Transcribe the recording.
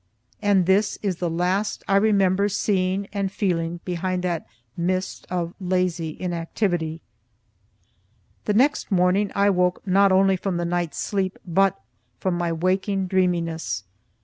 And this is the last I remember seeing and feeling behind that mist of lazy inactivity. The next morning, I woke not only from the night's sleep, but from my waking dreaminess.